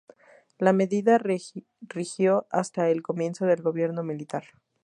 La medida rigió hasta el comienzo del gobierno militar.